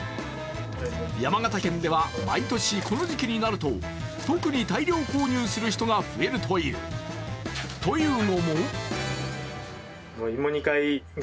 山形県では毎年この時期になると、特に大量購入する人が増えるという。